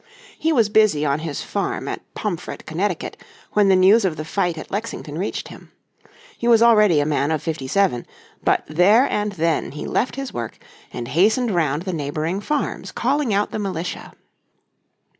He was busy on his farm at Pomfret, Connecticut, when the news of the fight at Lexington reached him. He was already a man of fifty seven but there and then he left his work and hastened round the neighbouring farms calling out the militia.